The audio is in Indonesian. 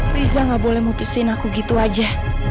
rizal gak boleh mutusin aku gitu aja